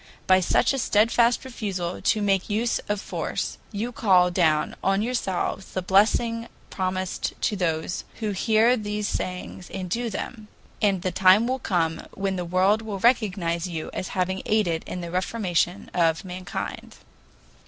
By such a steadfast refusal to make use of force, you call down on yourselves the blessing promised to those "who hear these sayings and do them," and the time will come when the world will recognize you as having aided in the reformation of mankind.